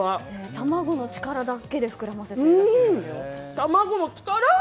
卵の力だけで膨らませているそうですよ。